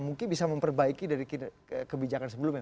mungkin bisa memperbaiki dari kebijakan sebelumnya